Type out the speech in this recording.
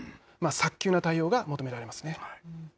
早急な対応が求められますね。